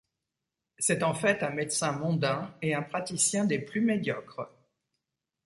C'est en fait un médecin mondain et un praticien des plus médiocres.